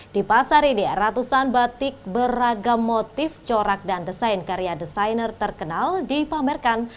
di pasar ini ratusan batik beragam motif corak dan desain karya desainer terkenal dipamerkan